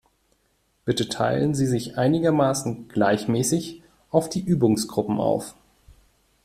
Bitte teilen Sie sich einigermaßen gleichmäßig auf die Übungsgruppen auf.